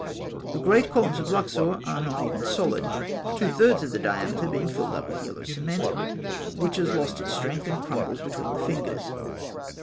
The great columns of Luxor are not even solid, two thirds of the diameter being filled up with yellow cement, which has lost its strength, and crumbles between the fingers.